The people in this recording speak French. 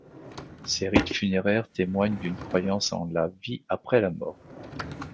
Ces rites funéraires témoignent d'une croyance en la vie après la mort.